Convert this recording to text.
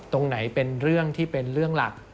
ตรงไหนเป็นเรื่องที่เป็นเรื่องหลัก